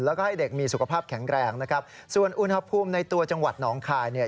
แล้วก็ให้เด็กมีสุขภาพแข็งแรงนะครับส่วนอุณหภูมิในตัวจังหวัดหนองคายเนี่ย